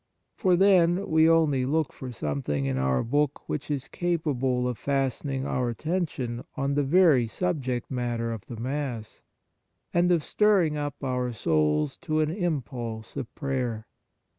For then, we only look for something in our book which is capable of fasten ing our attention on the very subject matter of the Mass, and of stirring up our souls to an impulse of prayer.